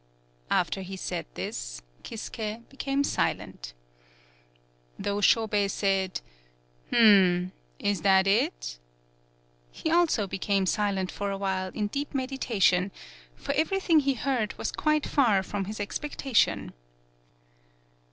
After he said this, Kisuke became silent. Though Shobei said, "H'm, is that it?" he also became silent for a while in deep meditation, for everything he heard was quite far from his expecta tion.